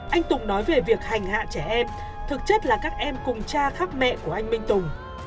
anh tụng nói về việc hành hạ trẻ em thực chất là các em cùng cha khác mẹ của anh minh tùng